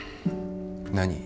何？